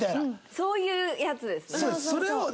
そういうやつですね。